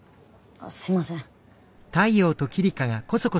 あっすいません。